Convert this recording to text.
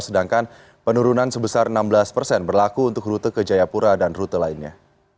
sedangkan penurunan sebesar enam belas persen berlaku untuk rute ke jayapura dan rute lainnya